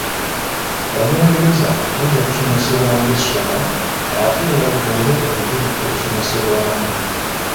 Olungereza lujja kusomesebwa nga essomo ate era lubeere olulimi olusomesebwamu.